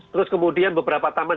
terus kemudian beberapa taman